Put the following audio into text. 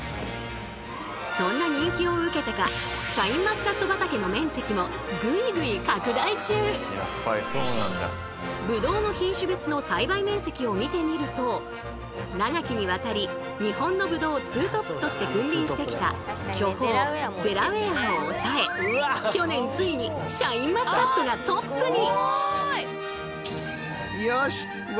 そんな人気を受けてかぶどうの品種別の栽培面積を見てみると長きにわたり日本のぶどうツートップとして君臨してきた巨峰デラウェアを抑え去年ついにシャインマスカットがトップに！